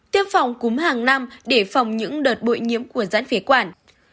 tiêm phòng cúm hàng năm để phòng những đợt bụi nhiễm của giãn phế quản